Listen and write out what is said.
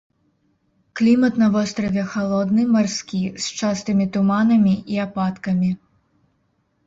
Клімат на востраве халодны марскі, з частымі туманамі і ападкамі.